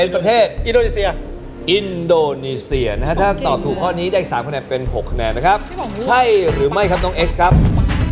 ประเทศตีมอลเลสเต้แยกออกมาจากประเทศอะไรครับผม